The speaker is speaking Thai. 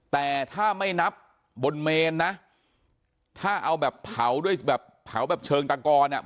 แต่ถ้าไม่นับบนเมนนะถ้าเอาแบบเผาด้วยแบบเผาแบบเชิงตะกอนอ่ะ